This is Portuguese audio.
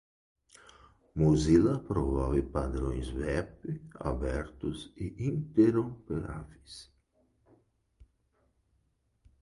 Mozilla promove padrões web abertos e interoperáveis.